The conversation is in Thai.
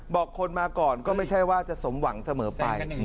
บอกคนมาก่อนก็ไม่ใช่ว่าจะสมหวังเสมอไป